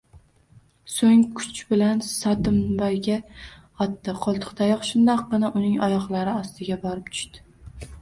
Soʻng kuch bilan Sotimboyga otdi, qoʻltiqtayoq shundoqqina uning oyoqlari ostiga borib tushdi.